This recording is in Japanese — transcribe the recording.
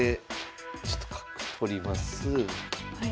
ちょっと角取ります。